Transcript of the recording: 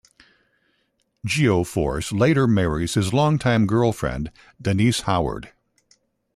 Geo-Force later marries his long-time girlfriend, Denise Howard.